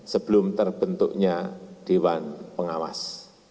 sebelum terbentuknya dewan pengawas